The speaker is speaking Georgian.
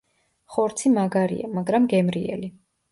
ხორცი მაგარია, მაგრამ გემრიელი.